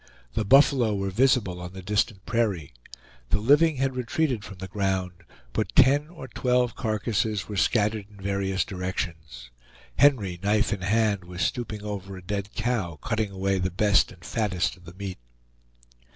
The buffalo were visible on the distant prairie. The living had retreated from the ground, but ten or twelve carcasses were scattered in various directions. Henry, knife in hand, was stooping over a dead cow, cutting away the best and fattest of the meat.